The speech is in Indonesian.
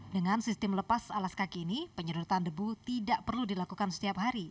dengan sistem lepas alas kaki ini penyedotan debu tidak perlu dilakukan setiap hari